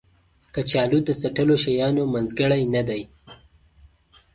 کچالو د څټلو شیانو منځګړی نه دی